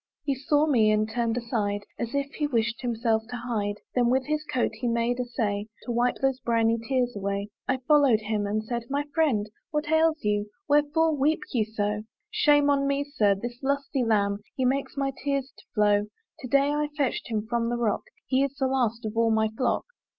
He saw me, and he turned aside, As if he wished himself to hide: Then with his coat he made essay To wipe those briny tears away. I follow'd him, and said, "My friend "What ails you? wherefore weep you so?" "Shame on me, Sir! this lusty lamb, He makes my tears to flow. To day I fetched him from the rock; He is the last of all my flock.